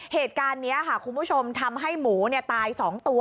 เหตุการณ์นี้ค่ะคุณผู้ชมทำให้หมูตาย๒ตัว